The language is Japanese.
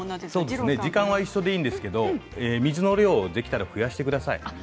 時間は一緒でいいんですができたら水の量を増やしてください。